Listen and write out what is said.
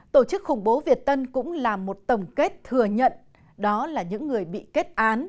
tổ chức khủng bố việt tân cũng làm một tổng kết thừa nhận đó là những người bị kết án